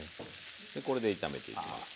これで炒めていきます。